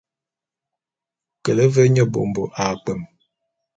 Kele ve nye bômbo a kpwem.